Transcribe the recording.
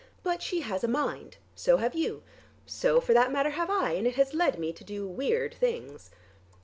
But she has a mind. So have you. So for that matter have I, and it has led me to do weird things."